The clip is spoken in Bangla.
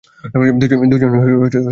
দুজনেরই প্রথম ছবি।